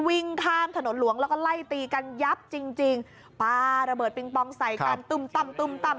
วิ่งข้ามถนนหลวงแล้วก็ไล่ตีกันยับจริงจริงปลาระเบิดปิงปองใส่กันตุ้มตั้มตุ้มตั้ม